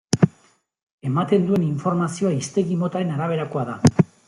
Ematen duen informazioa hiztegi motaren araberakoa da.